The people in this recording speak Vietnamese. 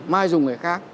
mai dùng người khác